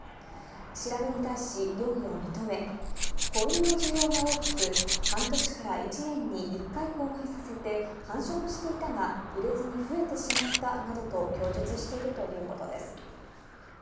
調べに対し容疑を認め、子犬の需要が大きく、半年から１年に１回交配させて繁殖していたが、売れずに増えてしまったなどと供述しているということです。